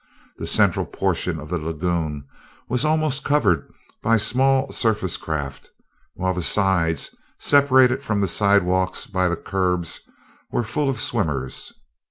The central portion of the lagoon was almost covered by the small surface craft, while the sides, separated from the sidewalks by the curbs, were full of swimmers.